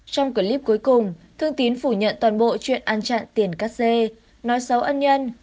trong clip cuối cùng thương tín phủ nhận toàn bộ chuyện ăn chặn tiền cắt dê nói xấu ân nhân